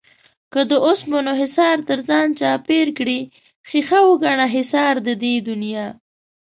که د اوسپنو حِصار تر ځان چاپېر کړې ښيښه وگڼه حِصار د دې دنيا